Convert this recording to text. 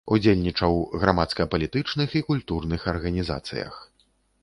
Удзельнічаў грамадска-палітычных і культурных арганізацыях.